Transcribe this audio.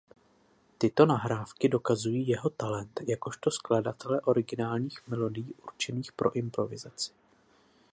Tyto nahrávky dokazují jeho talent jakožto skladatele originálních melodií určených pro improvizaci.